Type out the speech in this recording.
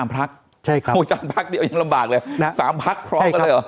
ผู้จำพักเดียวยังลำบากเลย๓พักพร้อมกันเลยเหรอ